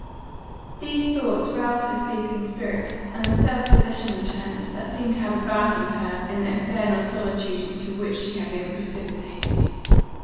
These thoughts roused her sleeping spirit, and the self possession returned, that seemed to have abandoned her in the infernal solitude into which she had been precipitated.